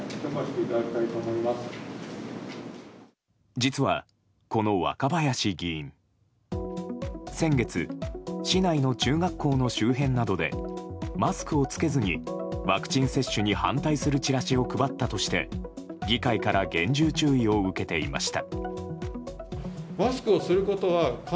実は、この若林議員先月、市内の中学校の周辺などでマスクを着けずにワクチン接種に反対するチラシを配ったとして、議会から厳重注意を受けていました。